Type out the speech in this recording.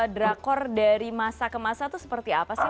drakor dari masa ke masa itu seperti apa sih